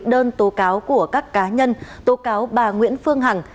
đơn tố cáo của các cá nhân tố cáo bà nguyễn phương hằng